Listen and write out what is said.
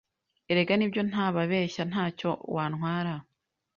Erega nibyo ntababeshya ntacyo wantwara